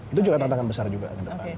itu juga tantangan besar juga ke depan